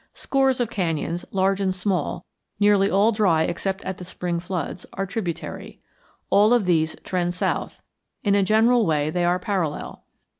Scores of canyons, large and small, nearly all dry except at the spring floods, are tributary. All of these trend south; in a general way they are parallel.